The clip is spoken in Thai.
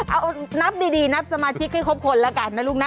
เอานับดีนับสมาชิกให้ครบคนแล้วกันนะลูกนะ